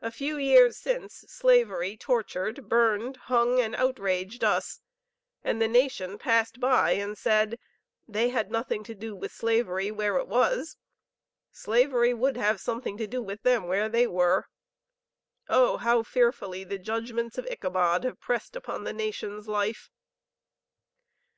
A few years since slavery tortured, burned, hung and outraged us, and the nation passed by and said, they had nothing to do with slavery where it was, slavery would have something to do with them where they were. Oh, how fearfully the judgments of Ichabod have pressed upon the nation's life!